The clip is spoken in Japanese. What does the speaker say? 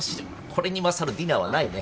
これに勝るディナーはないね